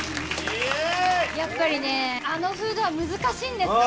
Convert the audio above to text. やっぱりねあのフードは難しいんですよ。